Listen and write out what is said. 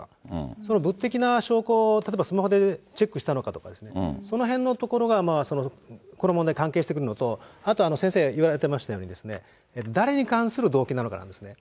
その物的な証拠を、例えばスマホでチェックしたのかとかですね、そのへんのところがこの問題関係してくるのと、あと先生、言われていましたように、誰に関する動機なのかなんですね。